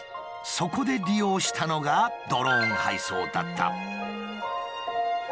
そこで利用したのがドローン配送だった。